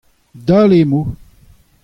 Dale am bo.